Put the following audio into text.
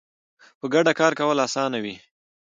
په ګډه کار کول اسانه وي